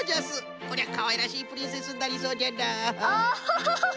こりゃかわいらしいプリンセスになりそうじゃな。